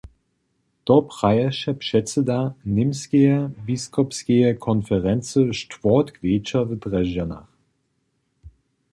To praješe předsyda Němskeje biskopskeje konferency štwórtk wječor w Drježdźanach.